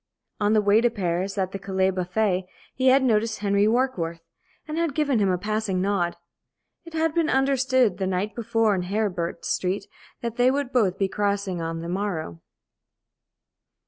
On the way to Paris, at the Calais buffet, he had noticed Henry Warkworth, and had given him a passing nod. It had been understood the night before in Heribert Street that they would both be crossing on the morrow.